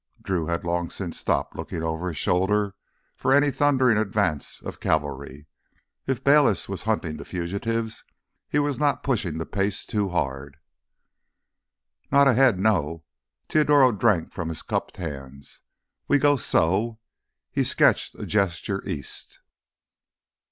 Drew had long since stopped looking over his shoulder for any thundering advance of cavalry. If Bayliss was hunting the fugitives, he was not pushing the pace too hard. "Not ahead, no." Teodoro drank from his cupped hand. "We go so...." He sketched a gesture east.